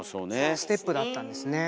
ステップだったんですね。